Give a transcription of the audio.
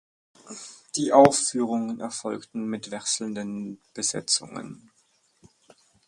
Die Aufführungen erfolgten mit wechselnden Besetzungen.